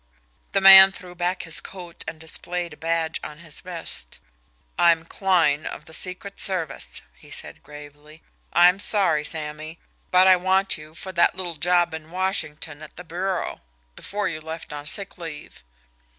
The man threw back his coat and displayed a badge on his vest. "I'm Kline of the secret service," he said gravely. "I'm sorry, Sammy, but I want you for that little job in Washington at the bureau before you left on sick leave!"